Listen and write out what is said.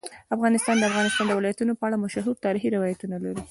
افغانستان د د افغانستان ولايتونه په اړه مشهور تاریخی روایتونه لري.